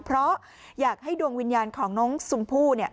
เพราะอยากให้ดวงวิญญาณของน้องชมพู่เนี่ย